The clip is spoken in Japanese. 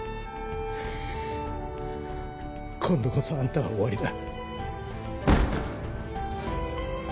今度こそあんたは終わりだ。